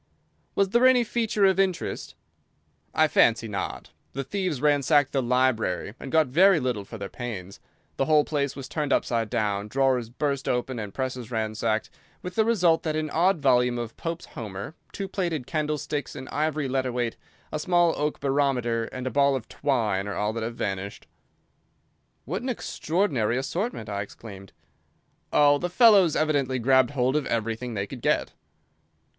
"Was there any feature of interest?" "I fancy not. The thieves ransacked the library and got very little for their pains. The whole place was turned upside down, drawers burst open, and presses ransacked, with the result that an odd volume of Pope's 'Homer,' two plated candlesticks, an ivory letter weight, a small oak barometer, and a ball of twine are all that have vanished." "What an extraordinary assortment!" I exclaimed. "Oh, the fellows evidently grabbed hold of everything they could get."